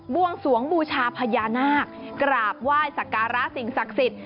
บู่งสวงบูชาพญานาคกราบว่ายสการสิ่งศักดิ์สิทธิ์